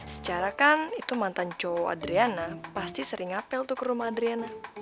sejarah kan itu mantan cowok adriana pasti sering ngapel tuh ke rumah adriana